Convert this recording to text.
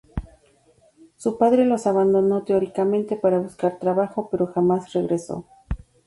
Su padre los abandonó teóricamente para buscar trabajo pero jamás regresó.